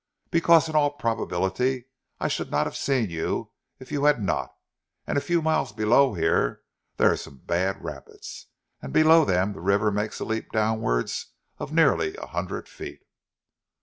"Because in all probability I should not have seen you if you had not; and a few miles below here, there are some bad rapids, and below them the river makes a leap downwards of nearly a hundred feet."